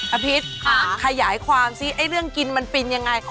อภิษขยายความซิไอ้เรื่องกินมันฟินยังไง